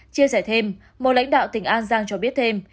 chia sẻ thêm một lãnh đạo tỉnh an giang cho biết thêm